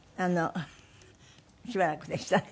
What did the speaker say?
しばらくでしたね。